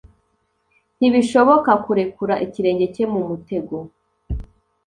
ntibishoboka kurekura ikirenge cye mumutego